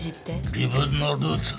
自分のルーツだ。